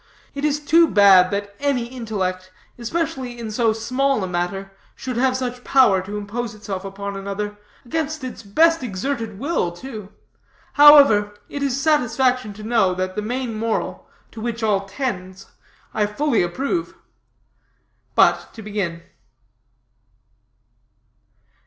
It is too bad that any intellect, especially in so small a matter, should have such power to impose itself upon another, against its best exerted will, too. However, it is satisfaction to know that the main moral, to which all tends, I fully approve. But, to begin."